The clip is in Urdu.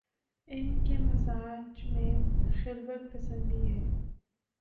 علم کے مزاج میں خلوت پسندی ہے۔